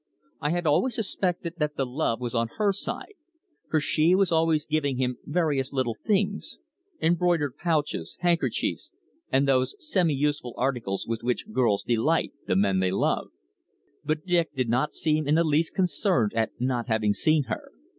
I had always suspected that the love was on her side, for she was always giving him various little things embroidered pouches, handkerchiefs and those semi useful articles with which girls delight the men they love. But Dick did not seem in the least concerned at not having seen her.